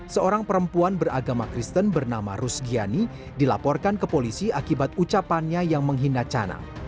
seorang perempuan beragama kristen bernama rusgiani dilaporkan ke polisi akibat ucapannya yang menghina canang